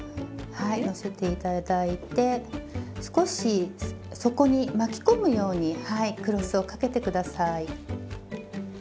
はい載せて頂いて少し底に巻き込むようにクロスを掛けて下さい。